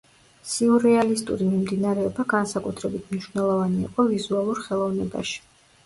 სიურრეალისტური მიმდინარეობა განსაკუთრებით მნიშვნელოვანი იყო ვიზუალურ ხელოვნებაში.